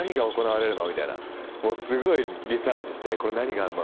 すごいリサーチして「これ何があんの？」